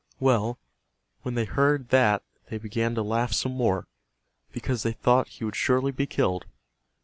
Well, when they heard that they began to laugh some more, because they thought he would surely be killed.